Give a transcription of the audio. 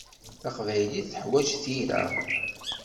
Taqbaylit tuḥwaǧ tira.